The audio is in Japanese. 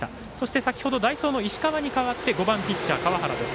先ほど代走の石川に代わって５番ピッチャー、川原です。